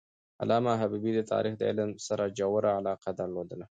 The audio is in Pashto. علامه حبیبي د تاریخ د علم سره ژوره علاقه درلودله.